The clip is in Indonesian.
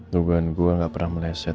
dugaan gua gak pernah meleset